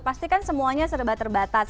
pasti kan semuanya serba terbatas